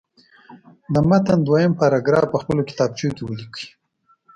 د متن دویم پاراګراف په خپلو کتابچو کې ولیکئ.